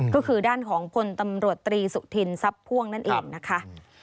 ก็คือด้านของพลตำรวจตรีสุธินทรัพย์พ่วงนั่นเองนะคะ